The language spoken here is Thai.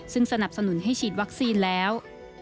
ซึ่งสนับสนุนให้ฉีดวัคซีนแล้ว